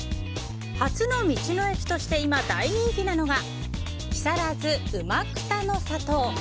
初の道の駅として今、大人気なのが木更津うまくたの里。